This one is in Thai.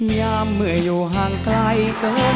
อย่าเมื่ออยู่ห่างไกลก็ล้นฟัง